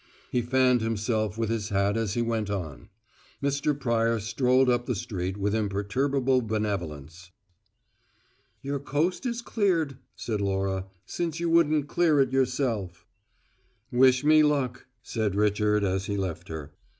He fanned himself with his hat as he went on. Mr. Pryor strolled up the street with imperturbable benevolence. "Your coast is cleared," said Laura, "since you wouldn't clear it yourself." "Wish me luck," said Richard as he left her.